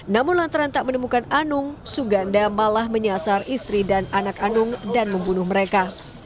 namun lantaran tak menemukan anung suganda malah menyasar istri dan anak anung dan membunuh mereka